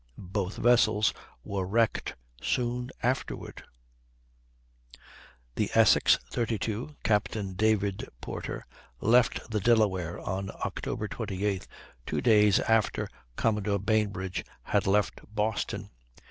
Both vessels were wrecked soon afterward. The Essex, 32, Captain David Porter, left the Delaware on Oct. 28th, two days after Commodore Bainbridge had left Boston.